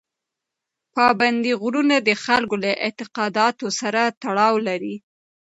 پابندي غرونه د خلکو له اعتقاداتو سره تړاو لري.